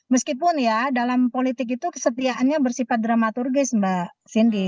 meskipun ya dalam politik itu kesetiaannya bersifat dramaturgis mbak cindy